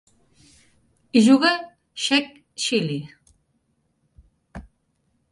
Hi juga Sheikh Chilli